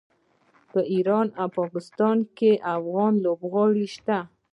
په ایران او پاکستان کې افغان لوبغاړي شته.